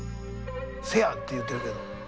「せや」って言うてるけど。